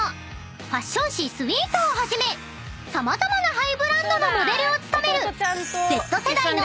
［ファッション誌『ｓｗｅｅｔ』をはじめ様々なハイブランドのモデルを務める］